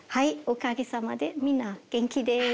おかげさまでみんな元気です。